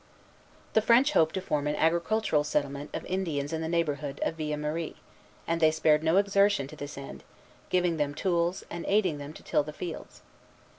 The French hoped to form an agricultural settlement of Indians in the neighborhood of Villemarie; and they spared no exertion to this end, giving them tools, and aiding them to till the fields.